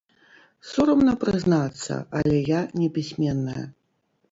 Сорамна прызнацца, але я непісьменная.